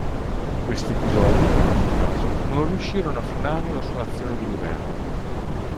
Questi episodi, in ogni caso, non riuscirono a frenare la sua azione di governo.